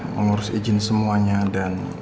mengurus izin semuanya dan